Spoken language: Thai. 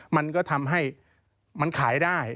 มันก็ทำให้มันขายได้